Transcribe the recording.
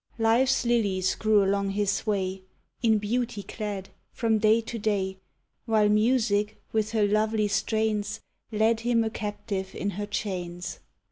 _ Life's lilies grew along his way, In beauty clad, from day to day; While music, with her lovely strains, Led him a captive in her chains.